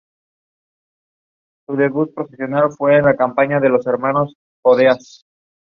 It carried out some remodelling as the "Avenida" had suffered from considerable neglect.